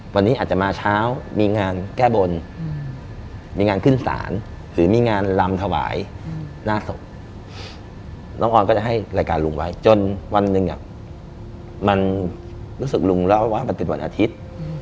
วันนี้อาจจะมาเช้ามีงานแก้บนมีงานขึ้นศาลหรือมีงานลำถวายหน้าศพน้องออนก็จะให้รายการลุงไว้จนวันหนึ่งมันรู้สึกลุงเล่าว่ามันเป็นวันอาทิตย์